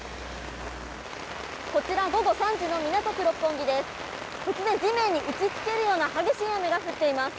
こちら、午後３時の港区六本木です。